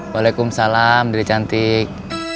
waalaikumsalam dede cantik